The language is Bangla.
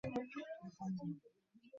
ঐ শুনছেন রসিকবাবু?